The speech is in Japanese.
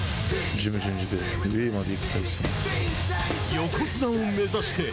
横綱を目指して。